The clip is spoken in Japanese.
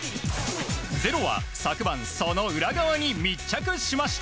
「ｚｅｒｏ」は昨晩その裏側に密着しました！